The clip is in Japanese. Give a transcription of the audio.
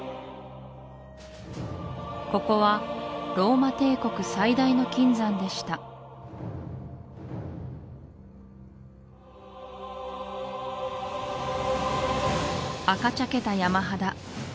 ここはローマ帝国最大の金山でした赤茶けた山肌